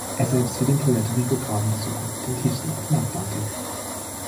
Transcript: Er selbst will den Puerto-Rico-Graben besuchen, den tiefsten Ort im Atlantik.